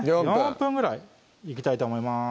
４分ぐらいいきたいと思います